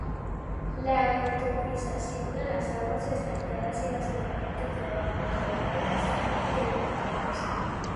La eutrofización de las aguas estancadas y las corrientes de bajo caudal están incrementándose.